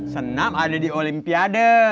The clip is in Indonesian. senam ada di olimpiade